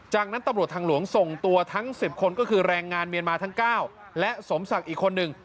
จากนั้นตำรวจทางหลวงส่งตัวทั้ง๑๐คนก็คือแรงงานเมียนมาทั้ง๙และสมศักดิ์อีกคนหนึ่ง